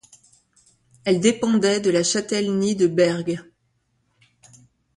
Elle dépendait de la châtellenie de Bergues.